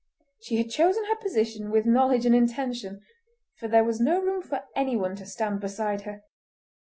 She had chosen her position with knowledge and intention, for there was no room for anyone to stand beside her.